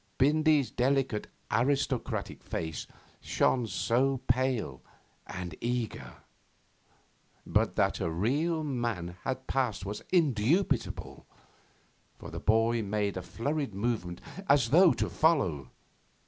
Bindy's delicate aristocratic face shone so pale and eager. But that a real man had passed was indubitable, for the boy made a flurried movement as though to follow.